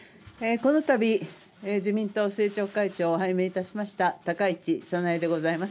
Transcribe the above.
このたび自民党政調会長を拝命いたしました高市早苗でございます。